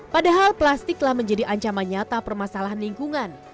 padahal plastik telah menjadi ancaman nyata permasalahan lingkungan